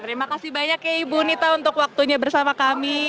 terima kasih banyak ya ibu nita untuk waktunya bersama kami